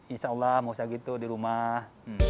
insya allah gak usah gitu di rumah